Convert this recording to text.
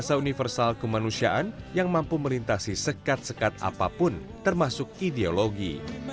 bahasa universal kemanusiaan yang mampu melintasi sekat sekat apapun termasuk ideologi